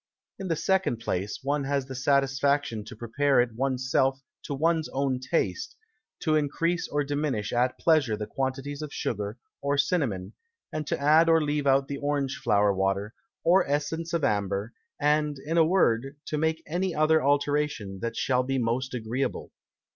In the second place, one has the Satisfaction to prepare it one's self to one's own Taste, to encrease or diminish at pleasure the Quantities of Sugar or Cinnamon, and to add or leave out the Orange Flower Water, or Essence of Amber; and, in a word, to make any other Alteration that shall be most agreeable.